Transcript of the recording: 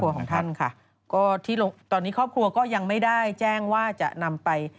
ของท่านค่ะก็ที่ตอนนี้ครอบครัวก็ยังไม่ได้แจ้งว่าจะนำไป